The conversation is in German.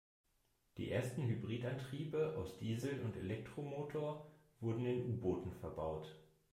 Die ersten Hybridantriebe aus Diesel- und Elektromotor wurden in U-Booten verbaut.